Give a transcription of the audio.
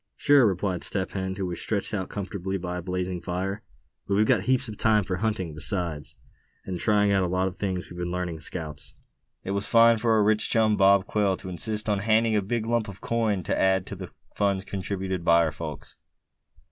"Sure," replied Step Hen, who was stretched out comfortably by a blazing fire. "But we've got heaps of time for hunting besides, and trying out a lot of things we've been learning as scouts. It was fine for our rich chum, Bob Quail, to insist on handing in a big lump of coin to add to the funds contributed by our folks.